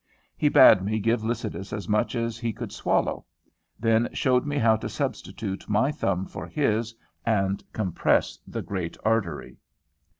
He bade me give Lycidas as much as he could swallow; then showed me how to substitute my thumb for his, and compress the great artery.